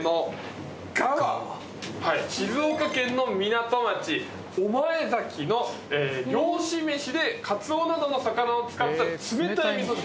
静岡県の港町御前崎の漁師飯でカツオなどの魚を使った冷たいみそ汁。